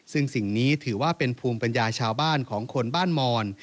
ซึ่งสิ่งนี้ถือว่าเป็นภูมิปัญญาชาวบ้านของคนบ้านมอน